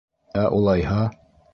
— Ә улайһа?